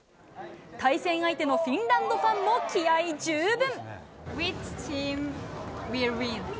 対戦相手のフィンランドファンも気合い十分。